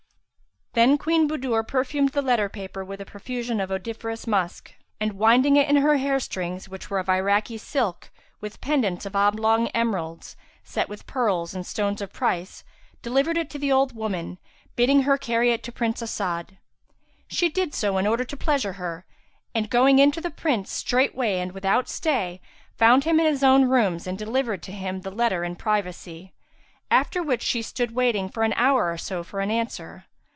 Then Queen Budur perfumed the letter paper with a profusion of odoriferous musk and, winding it in her hairstrings which were of Iraki silk, with pendants of oblong emeralds, set with pearls and stones of price, delivered it to the old woman, bidding her carry it to Prince As'ad.[FN#361] She did so in order to pleasure her, and going in to the Prince, straightway and without stay, found him in his own rooms and delivered to him the letter in privacy; after which she stood waiting an hour or so for the answer.